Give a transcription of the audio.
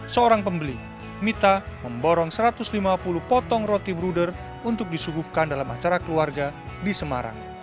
seorang pembeli mita memborong satu ratus lima puluh potong roti bruder untuk disuguhkan dalam acara keluarga di semarang